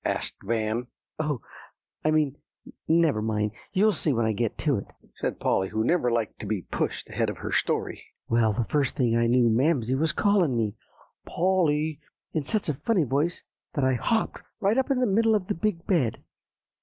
asked Van. "Oh! I mean never mind, you'll see when I get to it," said Polly, who never liked to be pushed ahead of her story. "Well, the first thing I knew Mamsie was calling me, 'Polly,' in such a funny voice, that I hopped right up into the middle of the big bed.